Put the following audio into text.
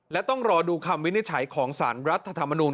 และต้องรอดูคำวินิจฉัยของสารรัฐธรรมนูล